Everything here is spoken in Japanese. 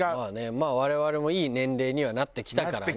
まあ我々もいい年齢にはなってきたからね。